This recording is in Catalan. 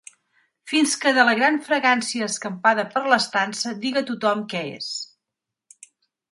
Fins que de la gran fragància, escampada per l'estança, diga tothom què és.